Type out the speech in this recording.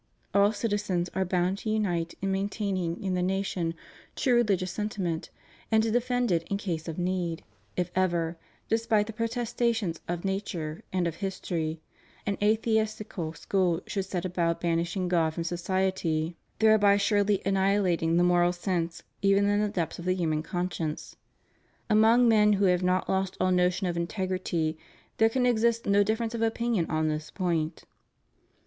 AH citizens are bound to unite in maintaining in the nation true religious sentiment, and to defend it in case of need, if ever, despite the protestations of nature and of history, an atheistical school should set about banishing God from society, thereby surely annihilating the moral sense even in the depths of the human conscience. Among men who have not lost all notion of integrity there can exist no difference of opinion on this point.